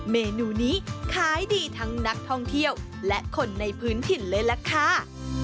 เมนูนี้ขายดีทั้งนักท่องเที่ยวและคนในพื้นถิ่นเลยล่ะค่ะ